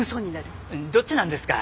どっちなんですか？